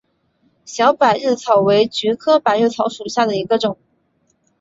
小百日草为菊科百日草属下的一个种。